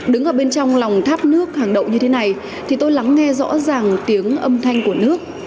đứng ở bên trong lòng tháp nước hàng đậu như thế này thì tôi lắng nghe rõ ràng tiếng âm thanh của nước